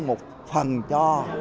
một phần cho